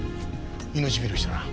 命拾いしたな。